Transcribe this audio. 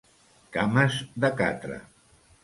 Cames de catre.